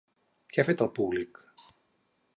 Què ha fet públic?